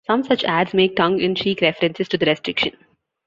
Some such ads make tongue-in-cheek references to the restriction.